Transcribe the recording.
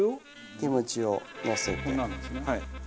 キムチをのせて。